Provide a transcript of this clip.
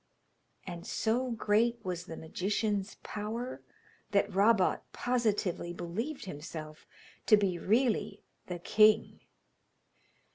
And so great was the magician's power that Rabot positively believed himself to be really the king!